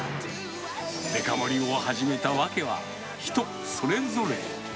デカ盛りを始めた訳は、人それぞれ。